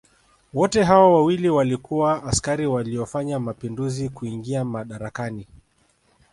Wote hao wawili walikuwa askari waliofanya mapinduzi kuingia madarakani